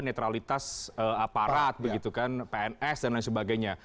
netralitas aparat begitu kan pns dan lain sebagainya